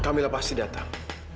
kamil pasti datang